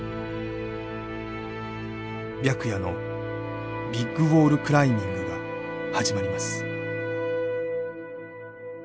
白夜のビッグウォール・クライミングが始まります。